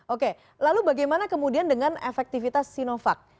oke lalu bagaimana kemudian dengan efektivitas sinovac